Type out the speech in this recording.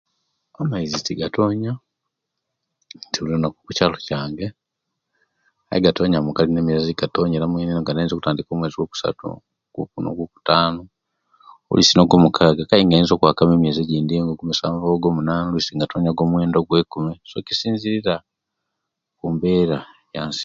Amaizi tigatonya okukyaalo kyange aye gatonya galina miyezi egatonyeramu okutandika omwezi ogwakusatu gwo Kuna gwo kutanu oluisi nogwo mukaga Kai kayinza okwaka mu emyezi egindi nga ogwomusanvu, nigatonya ogwo gwo'mwenda, gwe'kumi so kisinzira kumbera